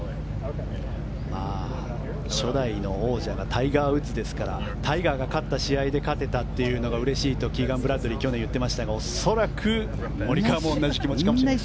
初代の王者がタイガー・ウッズですからタイガーが勝った試合で勝てたのがうれしいとキーガン・ブラッドリーは去年言っていましたが恐らくモリカワも同じ気持ちかもしれません。